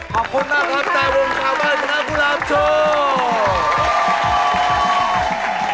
ขอบคุณมากรับใจวงค์ข้าวบ้านหรือนักธุรัพย์ชั่ว